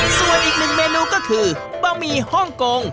ส่วนอีกหนึ่งเมนูก็คือบะหมี่ฮ่องกง